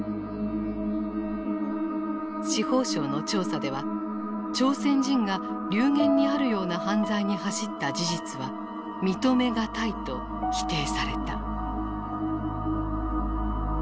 司法省の調査では朝鮮人が流言にあるような犯罪に走った事実は認めがたいと否定された。